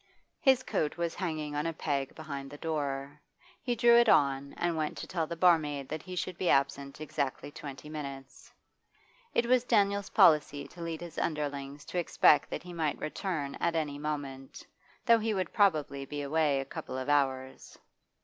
His coat was hanging on a peg behind the door. He drew it on, and went to tell the barmaid that he should be absent exactly twenty minutes. It was Daniel's policy to lead his underlings to expect that he might return at any moment, though he would probably be away a couple of hours.